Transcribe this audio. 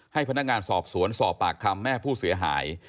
ให้พนักงานสอบสวนสอบปากคำแม่ผู้เสียหาย